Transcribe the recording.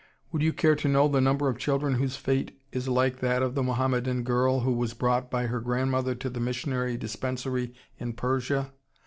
Would you care to know the number of children whose fate is like that of the Mohammedan girl who was brought by her grandmother to the missionary dispensary in Persia?